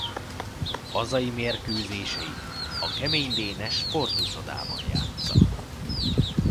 Hazai mérkőzéseit a Kemény Dénes Sportuszodában játssza.